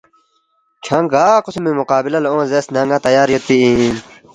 کھیانگ گا قسمی مقابلہ لہ اونگ زیرس نہ ن٘ا تیار یودپی اِن